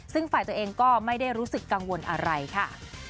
ซึ่งฝ่ายตัวเองก็ไม่ได้รู้สึกกังวลอะไรค่ะ